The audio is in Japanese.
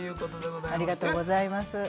ありがとうございます。